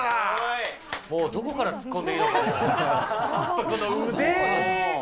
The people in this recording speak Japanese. もう、どこから突っ込んでいいのか。